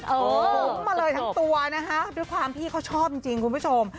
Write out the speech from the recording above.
ผมมาเลยทั้งตัวนะคะด้วยความที่เขาชอบจริงคุณผู้ชม